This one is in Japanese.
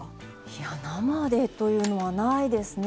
いや生でというのはないですね。